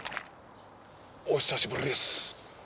お久しぶりです